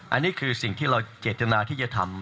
อันนี้คือสิ่งที่เราเจตนาที่จะทำ